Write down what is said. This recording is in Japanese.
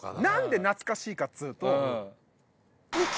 何で懐かしいかっつうと。